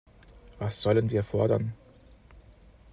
Was sollen wir fordern?